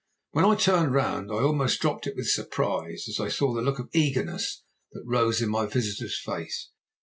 When I turned round I almost dropped it with surprise as I saw the look of eagerness that rose in my visitor's face.